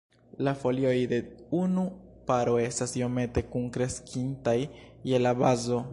La folioj de unu paro estas iomete kunkreskintaj je la bazo.